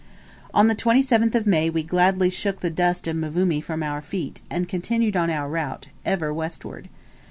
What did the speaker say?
On the 27th May we gladly shook the dust of Mvumi from our feet, and continued on our route ever westward.